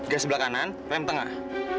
gas belakangan rem tengah